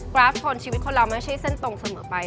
กราฟท์ผลชีวิตคนเรามันใช้เส้นตรงเสมอไป